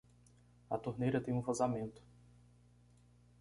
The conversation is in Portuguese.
A torneira tem um vazamento.